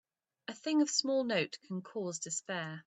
A thing of small note can cause despair.